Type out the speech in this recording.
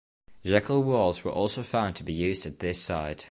Jacal walls were also found to be used at this site.